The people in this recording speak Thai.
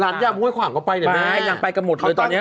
หลานจ้ามุ้ยขวังก็ไปเลยแมวยังไปกันหมดเลยตอนเนี้ย